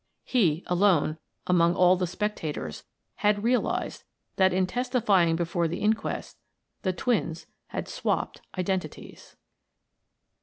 He, alone, among all the spectators, had realized that in testifying before the inquest, the twins had swapped identities.